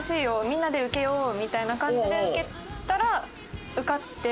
みんなで受けようみたいな感じで受けたら受かって。